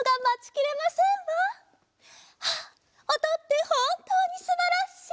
ああおとってほんとうにすばらしい！